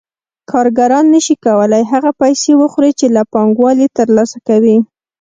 کارګران نشي کولای هغه پیسې وخوري چې له پانګوال یې ترلاسه کوي